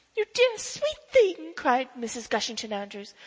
"You dear, sweet thing!" cried Mrs. Gushington Andrews.